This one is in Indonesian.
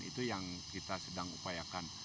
itu yang kita sedang upayakan